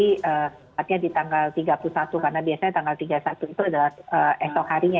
tepatnya di tanggal tiga puluh satu karena biasanya tanggal tiga puluh satu itu adalah esok harinya